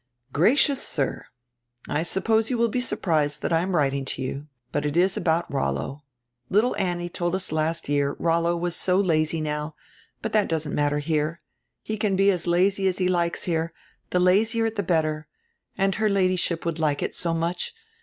"Gracious Sir: I suppose you will be surprised tiiat I am writing to you, but it is about Rollo. Little Annie told us last year Rollo was so lazy now, but tiiat doesn't matter here. He can be as lazy as he likes here, die lazier the better. And her Ladyship would like it so much.